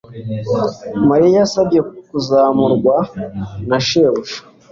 Mariya yasabye kuzamurwa na shebuja